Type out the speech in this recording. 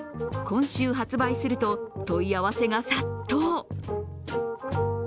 今週発売すると問い合わせが殺到。